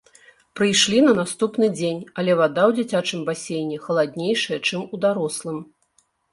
Прыйшлі на наступны дзень, але вада ў дзіцячым басейне халаднейшая, чым у дарослым.